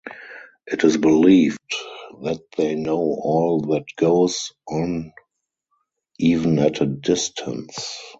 It is believed that they know all that goes on even at a distance.